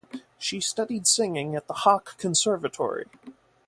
She studied singing at the Hoch Conservatory.